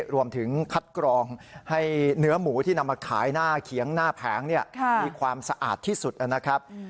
รวมถึงคัดกรองให้เนื้อหมูที่นำมาขายหน้าเขียงหน้าแผงมีความสะอาดที่สุดนะครับ